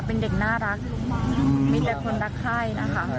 เป็นเด็กน่ารักมีแต่คนรักไข้นะคะ